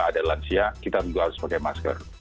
ada lansia kita tentu harus pakai masker